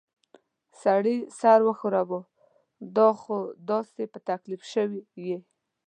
سړي سر وښوراوه: دا خو تاسې په تکلیف شوي ییۍ.